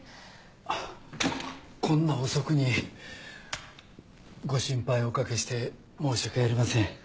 あっこんな遅くにご心配おかけして申し訳ありません。